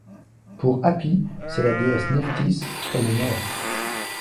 Pour Hâpi c'est la déesse Nephtys et le nord.